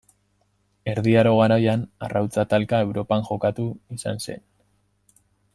Erdi Aro garaian, arrautza-talka Europan jokatu izan zen.